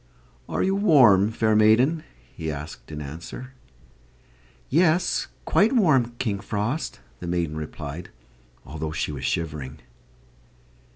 "Are you warm, fair maiden?" he asked in answer. "Yes, quite warm, King Frost," the maiden replied, although she was shivering.